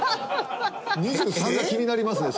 ２３が気になりますね